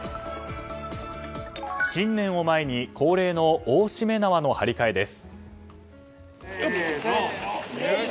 新年を前に恒例の大しめ縄の張り替えです。